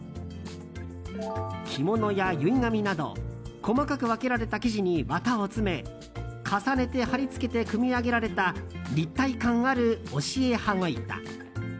着物や結い髪など細かく分けられた生地に綿を詰め重ねて貼り付けて組み上げられた立体感ある押絵羽子板。